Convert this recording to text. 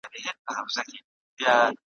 د رقیبانو له سرکوبه خو چي نه تېرېدای ,